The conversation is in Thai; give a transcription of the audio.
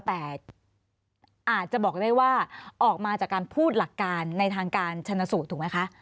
แต่อาจจะบอกได้ว่าออกมาจากการพูดหลักการในทางการชนสูตรถูกไหมคะ